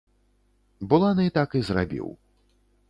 Буланы так і зрабіў.